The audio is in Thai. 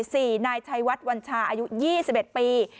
นายชัยวัดวัญชาอายุ๒๑ปี